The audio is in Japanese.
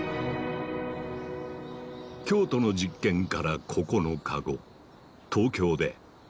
京都の実験から９日後。